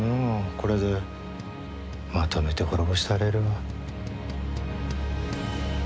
これでまとめて滅ぼしたれるわ。